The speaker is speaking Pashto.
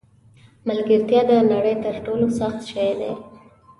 ملګرتیا د نړۍ تر ټولو سخت شی دی.